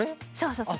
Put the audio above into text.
そうそう。